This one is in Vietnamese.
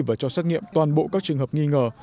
và cho xét nghiệm toàn bộ các trường hợp nghi ngờ